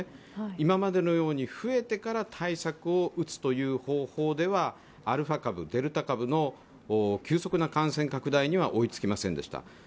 今までのように増えてから対策を打つという方法ではアルファ株、デルタ株の急速な感染拡大には追いつきませんでした。